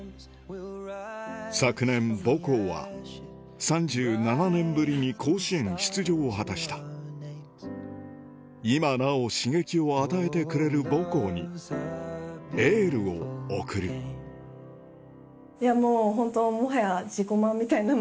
昨年母校は３７年ぶりに甲子園出場を果たした今なお刺激を与えてくれる母校にエールを送るいやもうホント。